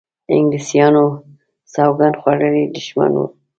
انګلیسیانو سوګند خوړولی دښمن وو.